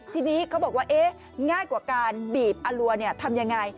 ทีนี้เขาบอกว่าง่ายกว่าการบีบอลัวทำยังไง